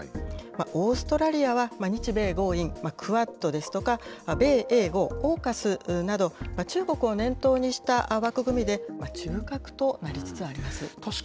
オーストラリアは日米豪印、クアッドですとか、米英豪、ＡＵＫＵＳなど中国を念頭にした枠組みで中核となりつつあります。